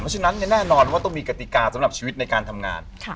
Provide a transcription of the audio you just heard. ฉะนั้นแน่นอนว่าต้องมีกติกาสำหรับชีวิตในการทำงาน